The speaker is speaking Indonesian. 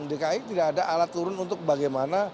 dki tidak ada alat turun untuk bagaimana